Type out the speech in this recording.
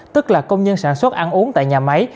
tức là công nhân sản xuất ăn uống tại nhà máy